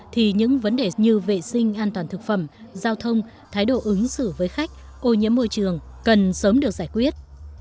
thì những vấn đề như vệ sinh an toàn thực phẩm giao thông thái độ ứng xử với khách ô nhiễm môi trường cần sớm được giải quyết